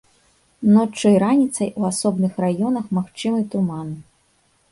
Ноччу і раніцай у асобных раёнах магчымы туман.